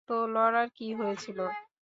তো লরার কী হয়েছিল?